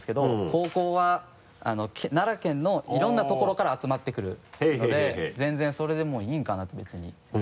高校は奈良県のいろんなところから集まってくるので全然それでもういいんかなって別に。